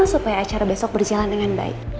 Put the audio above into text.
supaya acara besok berjalan dengan baik